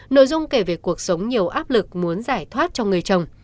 nội dung kể về cuộc sống nhiều áp lực muốn giải thoát cho người trồng